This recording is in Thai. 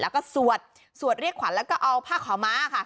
แล้วก็สวดสวดเรียกขวัญแล้วก็เอาผ้าขาวม้าค่ะ